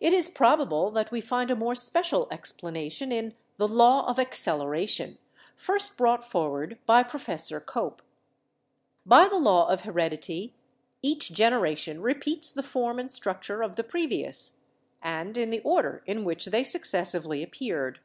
It is probable that we find a more special explanation in 'the law of acceleration/ first brought forward by Prof. Cope. By the law of heredity each generation repeats the form and structure of the previous, and in the order in which they succes sively appeared.